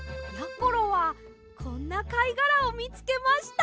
ころはこんなかいがらをみつけました。